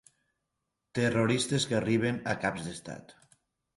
Terroristes que arriben a caps d'Estat.